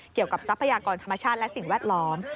เกี่ยวกับทรัพยากรธรรมชาติและสิ่งแวดล้อม